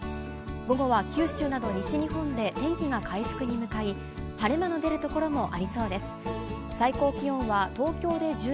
午後は九州など西日本で天気が回復に向かい、晴れ間の出る所もあ